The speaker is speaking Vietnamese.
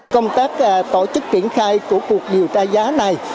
công tác tổ chức triển khai của cuộc điều tra giá này